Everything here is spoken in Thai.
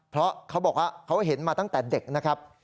เพราะเขาบอกว่าเขาเห็นมาตั้งแต่เด็กนะครับ